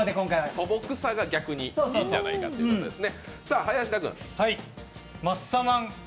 素朴さが逆にいいんじゃないかということですね。